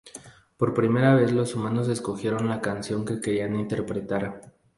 Por primera vez los alumnos escogieron la canción que querían interpretar.